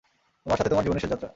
আমার সাথে তোমার জীবনের শেষ যাত্রা।